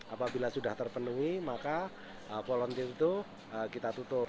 apabila sudah terpenuhi maka volunteer itu kita tutup